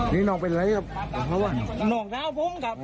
นองเท้าพุ้งครับ